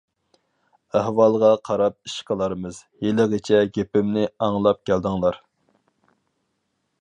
ئەھۋالغا قاراپ ئىش قىلارمىز. ھېلىغىچە گېپىمنى ئاڭلاپ كەلدىڭلار.